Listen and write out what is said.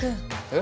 え？